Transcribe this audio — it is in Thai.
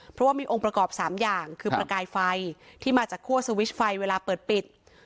เพราะว่ามีองค์ประกอบ๓อย่างคือประกายไฟที่มาจากคั่วสวิชไฟเวลาเปิดปิด